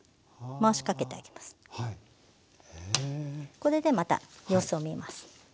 これでまた様子を見ます。